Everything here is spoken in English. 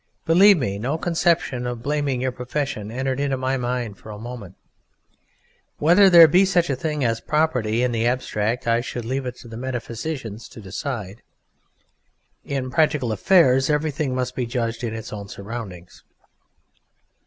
Believe me, no conception of blaming your profession entered my mind for a moment. Whether there be such a thing as "property" in the abstract I should leave it to metaphysicians to decide: in practical affairs everything must be judged in its own surroundings.